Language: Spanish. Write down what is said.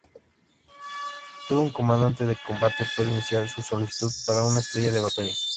Solo un comandante de combate puede iniciar una solicitud para una estrella de batalla.